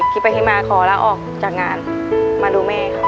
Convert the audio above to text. คิดไปคิดมาขอลาออกจากงานมาดูแม่ค่ะ